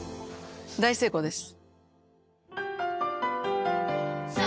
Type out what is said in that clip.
大成功です。